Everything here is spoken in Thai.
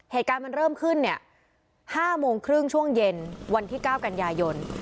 เหตุการณ์มันเริ่มขึ้นเนี่ย๕โมงครึ่งช่วงเย็นวันที่๙กันยายน